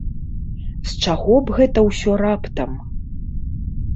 З чаго б гэта ўсё раптам?